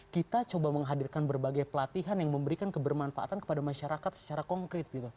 kita coba menghadirkan berbagai pelatihan yang memberikan kebermanfaatan kepada masyarakat secara konkret gitu